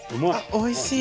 おいしい！